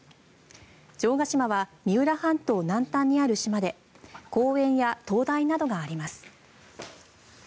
城ケ島は三浦半島南端にある島で公園や灯台などがあります。